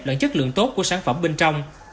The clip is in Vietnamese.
lẫn chất lượng tốt của sản phẩm bên trong